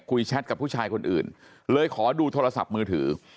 แชทกับผู้ชายคนอื่นเลยขอดูโทรศัพท์มือถือ